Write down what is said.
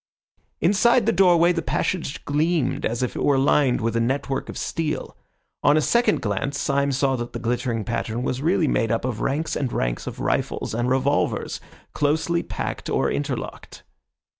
Inside the doorway the passage gleamed as if it were lined with a network of steel. On a second glance, Syme saw that the glittering pattern was really made up of ranks and ranks of rifles and revolvers, closely packed or interlocked.